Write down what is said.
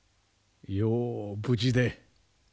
よう無事で。